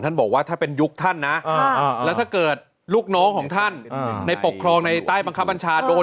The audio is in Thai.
ท่านบอกว่าเวท่าเป็นยุคท่านนะถ้าเกิดลุกน้องของท่านในปกครองในใต้ปัญหัส